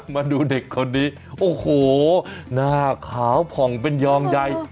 มาดูเด็กคนนี้โอ้โหหน้าขาวผ่องเป็นยองใย